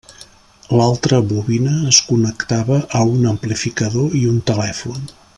L'altra bobina es connectava a un amplificador i un telèfon.